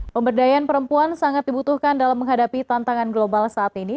pemberdayaan perempuan sangat dibutuhkan dalam menghadapi tantangan global saat ini